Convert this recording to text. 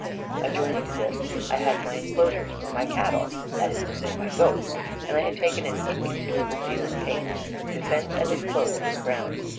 Adjoining to this I had my enclosures for my cattle, that is to say my goats, and I had taken an inconceivable deal of pains to fence and enclose this ground.